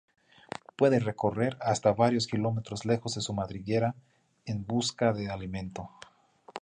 Puede recorrer hasta varios kilómetros lejos de su madriguera en busca de alimento.